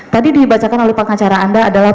tadi dibacakan oleh pengacara anda adalah